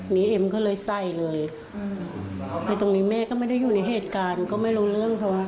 แม่อยู่ในเหตุการณ์ก็ไม่รู้เรื่องเขา